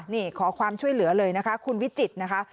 นี่ขอความช่วยเหลือเลยนะคะคุณวิจิตรนะคะ